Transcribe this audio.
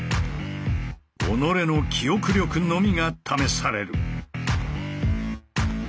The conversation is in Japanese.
己の記憶力のみが試される。